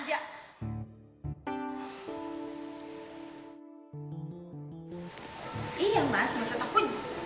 eh ya mas maksud aku